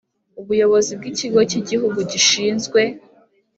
Ubuyobozi bw ikigo cy igihugu gishinzwe